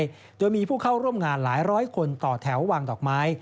ด้วยโดยมีผู้เข้าร่วมงานหลายร้อยคนต่อแถววางดอกไม้